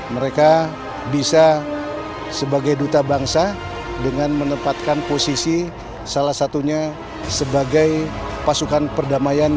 mereka bisa sebagai duta bangsa dengan menempatkan posisi salah satunya sebagai pasukan perdamaian